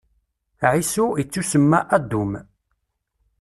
Ɛisu, ittusemma Adum.